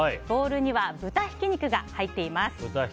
ボウルには豚ひき肉が入っています。